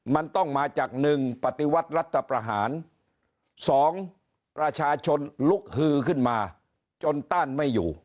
มันต้องมาจากหนึ่งปฏิวัติรัฐประหาร๒ประชาชนลุกฮือขึ้นมาจนต้านไม่อยู่